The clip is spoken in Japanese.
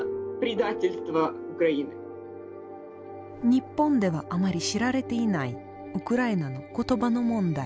日本ではあまり知られていないウクライナの言葉の問題。